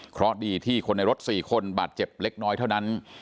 เพราะดีที่คนในรถ๔คนบาดเจ็บเล็กน้อยเท่านั้น